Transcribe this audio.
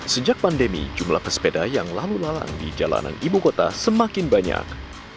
sejak pandemi jumlah pesepeda yang lalu lalang di jalanan ibu kota semakin banyak